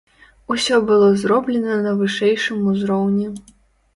Усё было зроблена на вышэйшым узроўні.